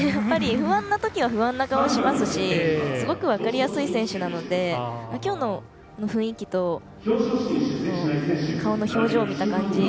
不安なときは不安な顔をしますしすごく分かりやすい選手なのできょうの雰囲気と顔の表情を見た感じ